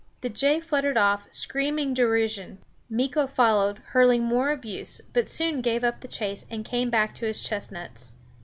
The jay fluttered off, screaming derision. Meeko followed, hurling more abuse, but soon gave up the chase and came back to his chestnuts.